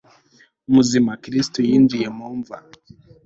muzima, kristu yinjiye mu mva